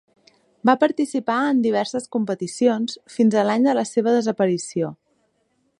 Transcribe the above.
Va participar en diverses competicions fins a l'any de la seva desaparició.